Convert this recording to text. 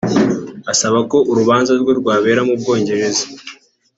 asaba ko urubanza rwe rwabera mu Bwongereza